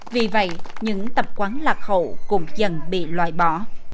vì vậy những tập quán lạc hậu cũng dần bị loại bỏ